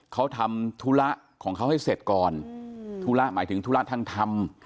เขาทำธุระของเขาให้เสร็จก่อนธุระหมายถึงธุระทางธรรม